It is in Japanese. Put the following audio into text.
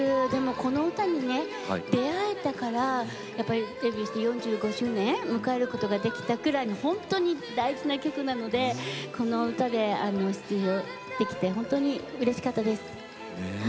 この歌に出会えたからデビューして４５周年を迎えることができたくらい本当に大事な曲なのでこの歌で出場できて本当にうれしかったです。